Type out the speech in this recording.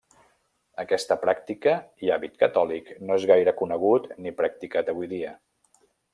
Aquesta pràctica i hàbit catòlic no és gaire conegut ni practicat avui dia.